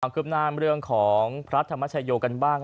ขึ้นหน้าเรื่องของพระธรรมชโยกันบ้าง